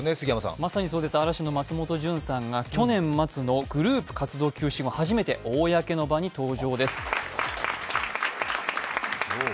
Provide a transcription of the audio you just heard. まさにそうです、嵐の松本潤さんが去年末の休止後、初めて公の場に登場です。